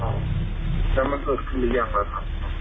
แล้วมันเกิดขึ้นไปอย่างไรครับ